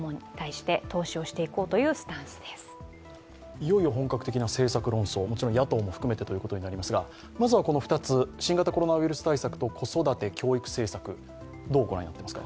いよいよ本格的な政策論争、もちろん野党も含めてということになりますがまずはこの２つ、新型コロナウイルス対策と子育て・教育政策、どう御覧になっていますか？